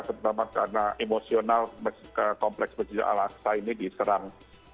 karena emosional kompleks berjaya ala asa ini diserang